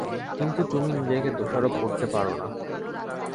কিন্তু তুমি নিজেকে দোষারোপ করতে পারো না।